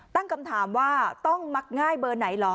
ตั้งคำถามว่าต้องมักง่ายเบอร์ไหนเหรอ